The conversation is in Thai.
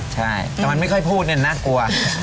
ใช่แต่มันไม่ค่อยพูดเนี่ยน่ากลัว